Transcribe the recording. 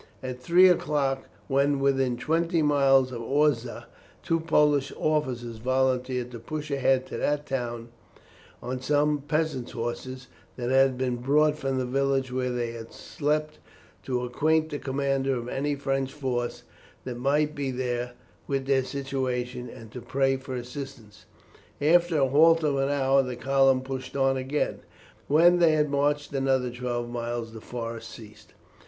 At three o'clock, when within twenty miles of Orsza, two Polish officers volunteered to push ahead to that town on some peasant's horses that had been brought from the village where they had slept to acquaint the commander of any French force that might be there with their situation, and to pray for assistance. After a halt of an hour the column pushed on again. When they had marched another twelve miles the forest ceased.